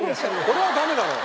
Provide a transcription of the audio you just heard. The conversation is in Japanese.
これはダメだよ！